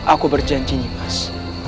aku berjanji nimas